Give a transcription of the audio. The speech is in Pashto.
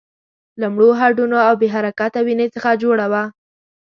له مړو هډونو او بې حرکته وينې څخه جوړه وه.